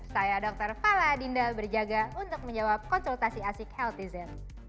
saya dr fala dinda berjaga untuk menjawab konsultasi asik healthy zen